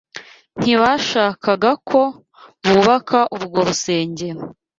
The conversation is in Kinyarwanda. ntibashakaga ko bubaka urwo rusengero.